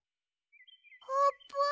あーぷん？